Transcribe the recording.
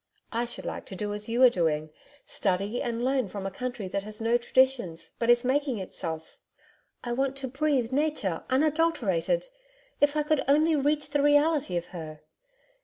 I should like to do as you are doing, study and learn from a country that has no traditions, but is making itself. I want to breathe Nature unadulterated if I could only reach the reality of her.